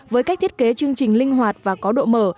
với cách thiết kế chương trình linh hoạt và có độ mở